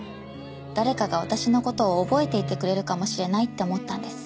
誰かが私の事を覚えていてくれるかもしれないって思ったんです。